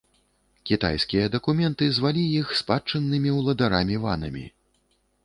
Кітайскія дакументы звалі іх спадчыннымі ўладарамі-ванамі.